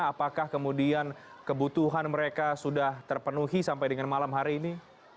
apakah kemudian kebutuhan mereka sudah terpenuhi sampai dengan malam hari ini